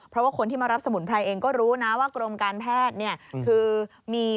เพราะว่าคนที่มารับสมุนไพรเองก็รู้นะว่ากรมการแพทย์เนี่ยคือมี